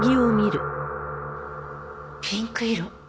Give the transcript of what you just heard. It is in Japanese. ピンク色！